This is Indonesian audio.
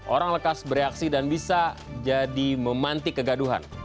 orang lekas bereaksi dan bisa jadi memanti kegaduhan